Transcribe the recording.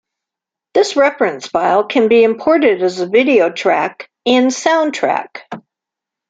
This reference file can be imported as the video track in Soundtrack.